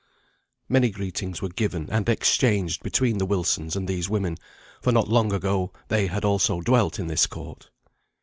Many greetings were given and exchanged between the Wilsons and these women, for not long ago they had also dwelt in this court.